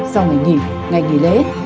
sau ngày nghỉ ngày nghỉ lễ